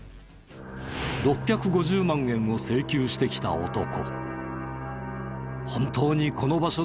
６５０万円を請求してきた男。